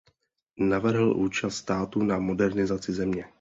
Navrhl účast státu na modernizaci země.